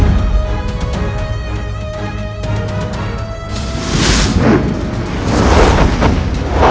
bagaimana kita bisa mendapat merah anda bestimma